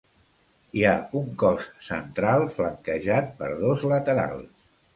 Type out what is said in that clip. Hi ha un cos central flanquejat per dos laterals.